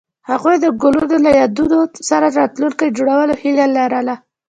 هغوی د ګلونه له یادونو سره راتلونکی جوړولو هیله لرله.